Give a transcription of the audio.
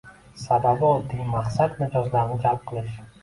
Sababi oddiy - maqsad mijozlarni jalb qilish